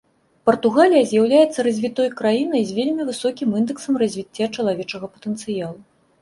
Партугалія з'яўляецца развітой краінай з вельмі высокім індэксам развіцця чалавечага патэнцыялу.